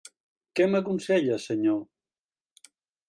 Què m'aconsella, senyor?